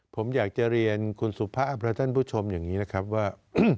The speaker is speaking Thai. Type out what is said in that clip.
ผมอยากจะเรียนคุณสุภาพและท่านผู้ชมอย่างนี้นะครับว่า